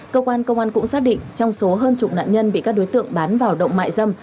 cơ quan công an cũng xác định trong số hơn chục nạn nhân bị các đối tượng bán vào động mại dâm